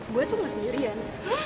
gue tuh gak sendirian